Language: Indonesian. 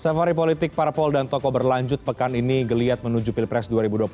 safari politik parpol dan tokoh berlanjut pekan ini geliat menuju pilpres dua ribu dua puluh empat